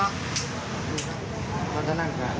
ต้องจะนั่งค่ะ